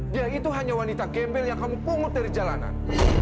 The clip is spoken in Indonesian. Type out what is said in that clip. dia itu hanya wanita gembel yang kamu pungut dari jalanan